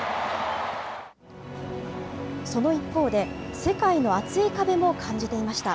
その一方で、世界の厚い壁も感じていました。